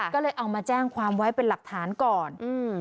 ก็เลยเอามาแจ้งความไว้เป็นหลักฐานก่อนอืม